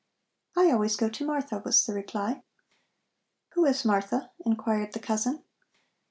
"I always go to Martha," was the reply. "Who is Martha?" inquired the cousin.